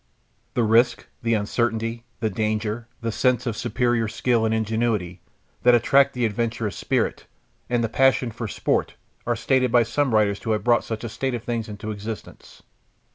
The risk, the uncertainty, the danger, the sense of superior skill and ingenuity, that attract the adventurous spirit, and the passion for sport, are stated by some writers to have brought such a state of things into existence.